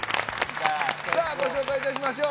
さあ、ご紹介いたしましょう。